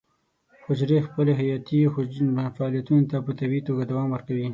حجرې خپلو حیاتي فعالیتونو ته په طبیعي توګه دوام ورکوي.